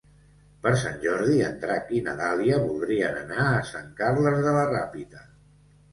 Per Sant Jordi en Drac i na Dàlia voldrien anar a Sant Carles de la Ràpita.